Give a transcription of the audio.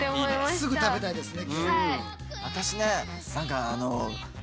すぐ食べたいですね。